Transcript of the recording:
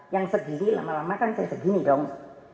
yang segini lama lama kan saya segini dong